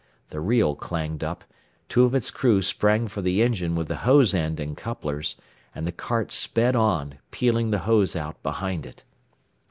The reel clanged up, two of its crew sprang for the engine with the hose end and couplers, and the cart sped on, peeling the hose out behind it.